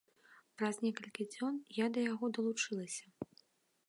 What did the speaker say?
Праз некалькі дзён я да яго далучылася.